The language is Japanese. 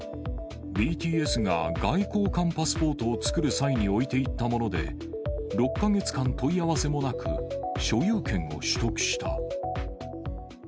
ＢＴＳが外交官パスポートを作る際に置いていったもので、６か月間問い合わせもなく、所有権を取得した。